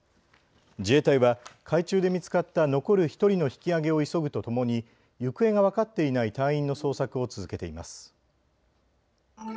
自衛隊は海中で見つかった残る１人の引きあげを急ぐとともに行方が分かっていない隊員の捜索を続けています。